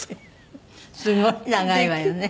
すごい長いわよね。